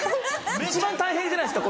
一番大変じゃないですか